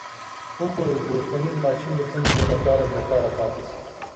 وګورئ که اوسپنیز ماشین د څه مودې لپاره بیکاره پاتې شي.